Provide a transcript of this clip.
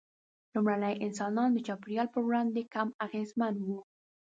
لومړني انسانان د چاپېریال پر وړاندې کم اغېزمن وو.